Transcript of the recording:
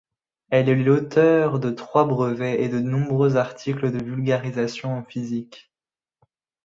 Elle est l'auteure de trois brevets et de nombreux articles de vulgarisation en physique.